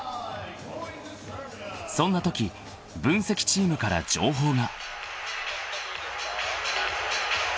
［そんなとき分析チームから情報が］